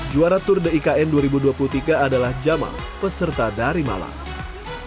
juara tour de ikn dua ribu dua puluh tiga adalah jamal peserta dari malang